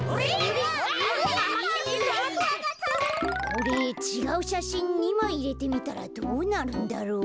これちがうしゃしん２まいいれてみたらどうなるんだろう。